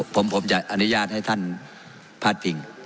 ผมจะอนุญาตให้ท่านพาดพิง